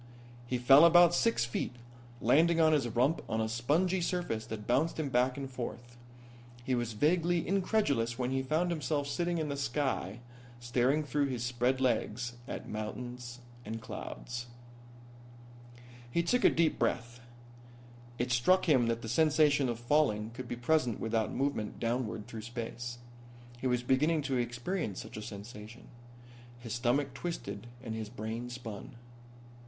He fell about six feet, landing on his rump on a spongy surface that bounced him back and forth. He was vaguely incredulous when he found himself sitting in the sky staring through his spread legs at clouds and mountains. He took a deep breath. It struck him that the sensation of falling could be present without movement downward through space. He was beginning to experience such a sensation. His stomach twisted and his brain spun.